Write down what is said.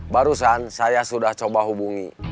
barusan saya sudah coba hubungi